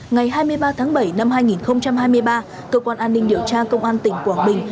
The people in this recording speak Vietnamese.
ngày hai mươi ba tháng bảy năm hai nghìn hai mươi ba cơ quan an ninh điều tra công an tỉnh quảng bình